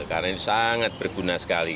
karena ini sangat berguna sekali